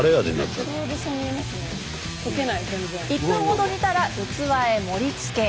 １分ほど煮たら器へ盛りつけ。